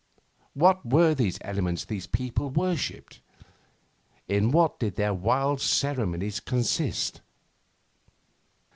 What were these elements these people worshipped? In what did their wild ceremonies consist?